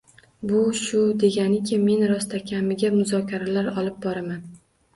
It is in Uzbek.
— Bu shu deganiki, men rostakamiga muzokaralar olib boraman